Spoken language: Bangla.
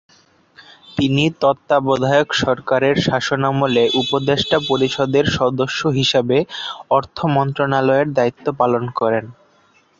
তিনি তত্ত্বাবধায়ক সরকারের শাসনামলে উপদেষ্টা পরিষদের সদস্য হিসাবে অর্থ মন্ত্রণালয়ের দায়িত্ব পালন করেন।